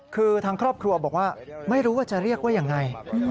คือทางครอบครัวบอกว่าไม่รู้ว่าจะเรียกว่ายังไง